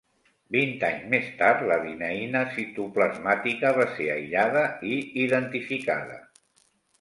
Vint anys més tard la dineïna citoplasmàtica va ser aïllada i identificada.